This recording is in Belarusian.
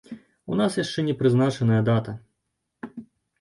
У нас яшчэ не прызначаная дата.